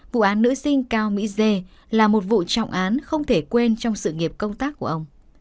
vụ án nữ sinh cao mỹ dê là một vụ trọng án không thể quên trong sự nghiệp công tác của ông